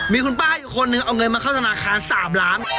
มีคุณป้าอีกคนนึงเอาเงินมาเข้าธนาคาร๓ล้าน